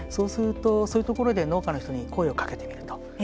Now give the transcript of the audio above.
そういうところで農家の人に声をかけてみると。